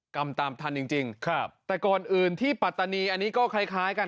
กรรมตามทันจริงจริงครับแต่ก่อนอื่นที่ปัตตานีอันนี้ก็คล้ายคล้ายกัน